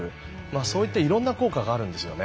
そういったいろんな効果があるんですよね。